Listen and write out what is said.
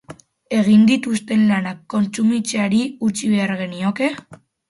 Egin dituzten lanak kontsumitzeari utzi behar genioke?